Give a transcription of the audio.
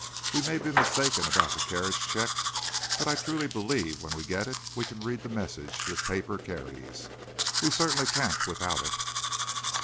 We may be mistaken about the carriage check, but I truly believe when we get it we can read the message this paper carries. We certainly can't without it."